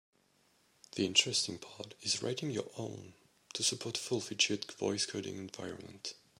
The interesting part is writing your own to support a full-featured voice coding environment.